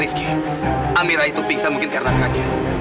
rizky amira itu pingsan mungkin karena kaget